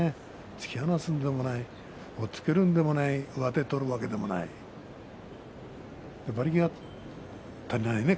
突き放すでもない押っつけるんでもないし上手を取るわけでもないし馬力が足りないね